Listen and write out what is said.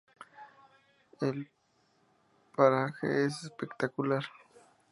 El paraje es espectacular.